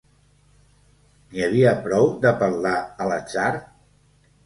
N'hi havia prou d'apel·lar a l'atzar?